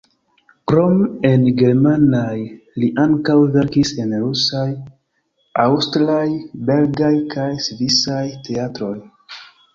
Krom en germanaj li ankaŭ verkis en rusaj, aŭstraj, belgaj kaj svisaj teatroj.